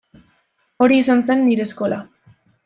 Hori izan zen nire eskola.